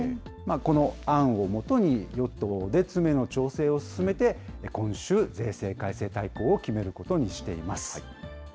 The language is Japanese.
この案を基に、与党で詰めの調整を進めて、今週、税制改正大綱を決めることにしています。